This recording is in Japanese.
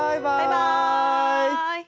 はい。